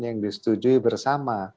yang disetujui bersama